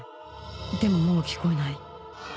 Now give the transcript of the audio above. でももう聞こえない